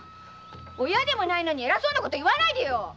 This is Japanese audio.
親でもないのにえらそうなこと言わないでよ！